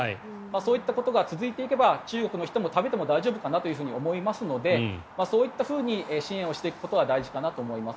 そういったことが続いていけば中国の人も食べても大丈夫かなと思いますのでそういったふうに支援をしていくことは大事かなと思います。